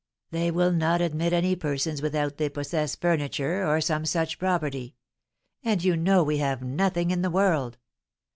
"They will not admit any persons without they possess furniture, or some such property; and you know we have nothing in the world.